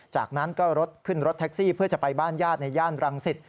จากนั้นก็รถขึ้นรถแท็กซี่เพื่อจะไปบ้านญาติในย่านรังสิต